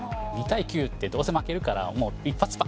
２対９ってどうせ負けるからもう１発